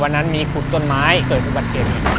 วันนั้นมีขุดต้นไม้เกิดเป็นบันเกม